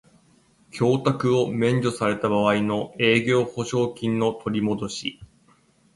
供託を免除された場合の営業保証金の取りもどし